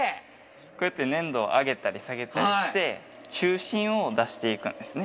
こうやって粘土を上げたり下げたりして、中心を出していくんですね。